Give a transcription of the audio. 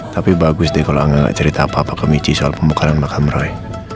tapi bagus deh kalo angga gak cerita apa apa ke michi soal pembukaan makam roy